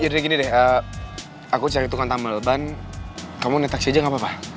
gini deh aku cari tukang tambal ban kamu neteksi aja gak apa apa